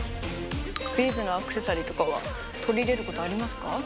ビーズのアクセサリーとかは取り入れることありますか？